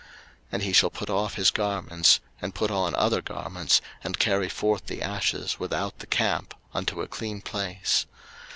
03:006:011 And he shall put off his garments, and put on other garments, and carry forth the ashes without the camp unto a clean place.